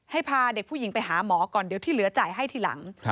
พาเด็กผู้หญิงไปหาหมอก่อนเดี๋ยวที่เหลือจ่ายให้ทีหลัง